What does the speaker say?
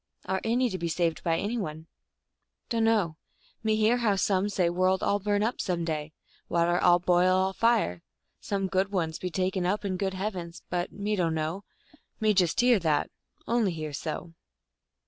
" Are any to be saved by any one ?"" Dunno. 3fe hear how some say world all burn up some day, water all boil all fire ; some good ones be taken up in good heavens, but me dumio, me just hear that. Only hear so."